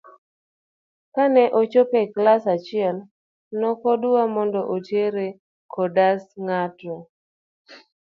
Kane ochopo e klas achiel nokodwar mondo otere kodas n'gato.